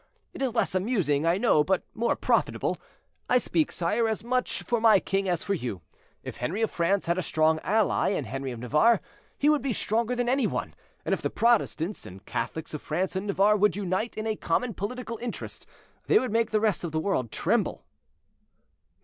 It is less amusing, I know, but more profitable. I speak, sire, as much for my king as for you. If Henri of France had a strong ally in Henri of Navarre, he would be stronger than any one; and if the Protestants and Catholics of France and Navarre would unite in a common political interest, they would make the rest of the world tremble."